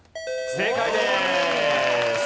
正解です。